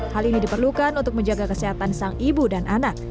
hal ini diperlukan untuk menjaga kesehatan sang ibu dan anak